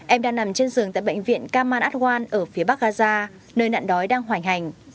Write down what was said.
em đang nằm trên giường tại bệnh viện kamal atwan ở phía bắc gaza nơi nạn đói đang hoành hành